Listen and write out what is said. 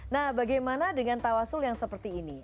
nah bagaimana dengan tawasul yang seperti ini